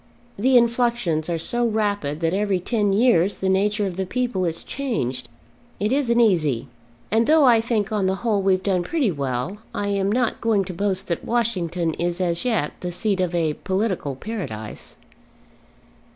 The influxions are so rapid, that every ten years the nature of the people is changed. It isn't easy; and though I think on the whole we've done pretty well, I am not going to boast that Washington is as yet the seat of a political Paradise."